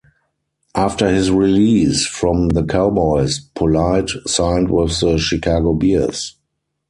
After his release from the Cowboys, Polite signed with the Chicago Bears.